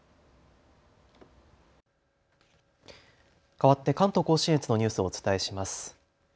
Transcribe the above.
かわって関東甲信越のニュースをお伝えします。